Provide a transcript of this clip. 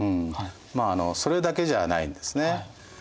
まあそれだけじゃないんですね。